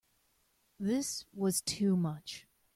This was too much.